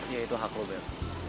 ya itu hak lo bel